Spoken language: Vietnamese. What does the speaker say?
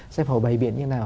xem hầu bầy biển như thế nào